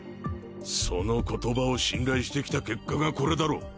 その言葉を信頼してきた結果がコレだろ。